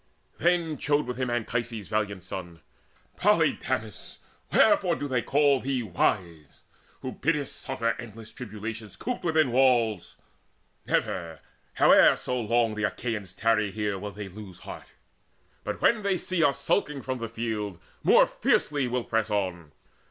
Then chode with him Anchises' valiant son: "Polydamas, wherefore do they call thee wise, Who biddest suffer endless tribulations Cooped within walls? Never, how long soe'er The Achaeans tarry here, will they lose heart; But when they see us skulking from the field, More fiercely will press on.